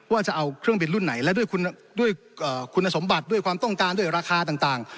ว่าจะเอาเครื่องบินรุ่นไหนและด้วยคุณสมบัติด้วยความต้องการด้วยราคาต่าง